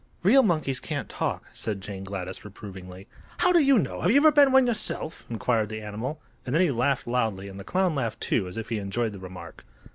"Real monkeys can't talk," said Jane Gladys, reprovingly. "How do you know? Have you ever been one yourself?" inquired the animal; and then he laughed loudly, and the clown laughed, too, as if he enjoyed the remark.